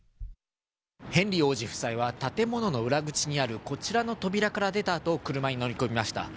ヘンリー王子夫妻は、建物の裏口にあるこちらの扉から出たあと、車に乗り込みました。